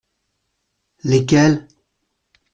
Lesquels ?